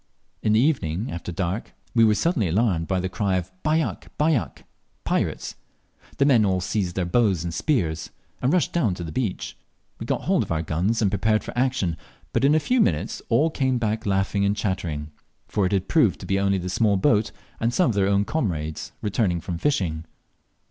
In the evening, after dark, we were suddenly alarmed by the cry of "Bajak! bajak!" (Pirates!) The men all seized their bows and spears, and rushed down to the beach; we got hold of our guns and prepared for action, but in a few minutes all came back laughing and chattering, for it had proved to be only a small boat and some of their own comrades returned from fishing.